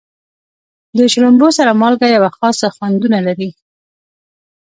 د شړومبو سره مالګه یوه خاصه خوندونه لري.